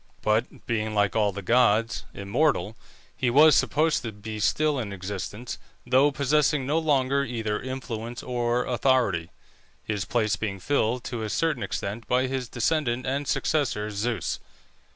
But being, like all the gods, immortal, he was supposed to be still in existence, though possessing no longer either influence or authority, his place being filled to a certain extent by his descendant and successor, Zeus.